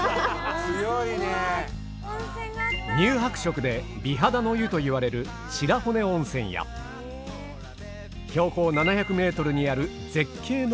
乳白色で美肌の湯といわれる白骨温泉や標高７００ｍにある絶景の温泉など。